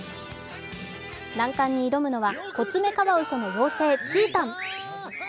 難関に挑むのはコツメカワウソの妖精・ちぃたん☆。